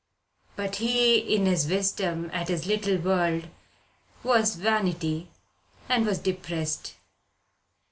But he in his wisdom at his little world was vanity and was depressed.